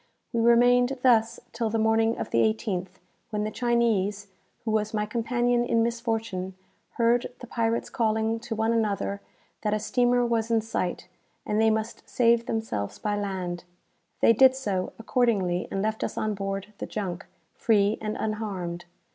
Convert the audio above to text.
We remained thus till the morning of the 18th, when the Chinese, who was my companion in misfortune, heard the pirates calling to one another that a steamer was in sight and they must save themselves by land. They did so, accordingly, and left us on board the junk, free and unharmed.